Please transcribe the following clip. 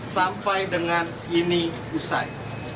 sampai dengan ini usai